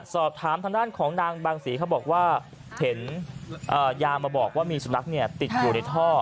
สอบถามทางด้านของนางบางศรีเขาบอกว่าเห็นยามาบอกว่ามีสุนัขติดอยู่ในท่อ